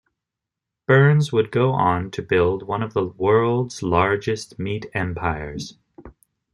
Burns would go on to build one of the World's largest meat empires.